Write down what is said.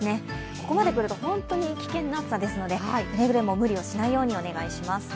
ここまでくると本当に危険な暑さですのでくれぐれも無理をしないようにお願いします。